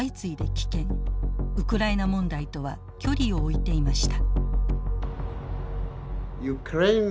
ウクライナ問題とは距離を置いていました。